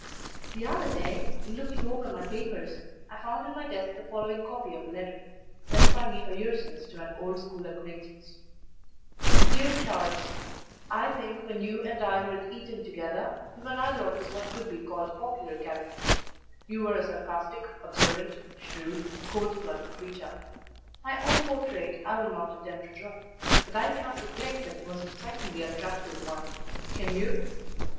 THE other day, in looking over my papers, I found in my desk the following copy of a letter, sent by me a year since to an old school acquaintance: "DEAR CHARLES, "I think when you and I were at Eton together, we were neither of us what could be called popular characters: you were a sarcastic, observant, shrewd, cold blooded creature; my own portrait I will not attempt to draw, but I cannot recollect that it was a strikingly attractive one can you?